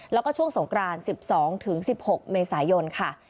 แล้วก็ช่วงสงกราน๑๒๑๖เมษายนค่ะ